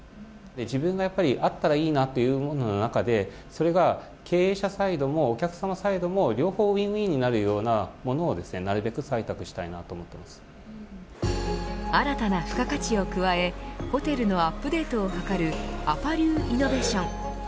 自分がやっぱりあったらいいなというものの中でそれが経営者サイドもお客様サイドも両方ＷｉｎＷｉｎになるようなものを新たな付加価値を加えホテルのアップデート図るアパ流イノベーション。